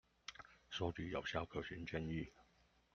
蒐集有效、可行建議